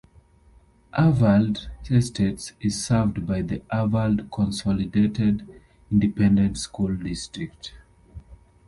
Uvalde Estates is served by the Uvalde Consolidated Independent School District.